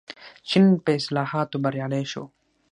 چین په اصلاحاتو بریالی شو.